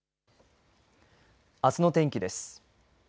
あすの天気です。